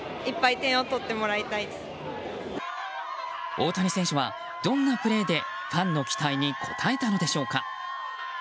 大谷選手は、どんなプレーでファンの期待に応えたのでしょうか。